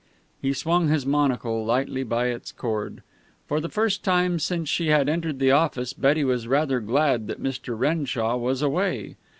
He swung his monocle lightly by its cord. For the first time since she had entered the office Betty was rather glad that Mr. Renshaw was away.